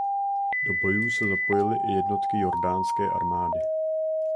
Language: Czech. Do bojů se zapojily i jednotky jordánské armády.